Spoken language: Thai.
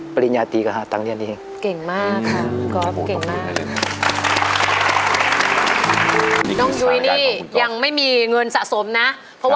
เพราะว่าเพิ่งมาแล้วก็ยังไม่ได้เริ่มร้องเลย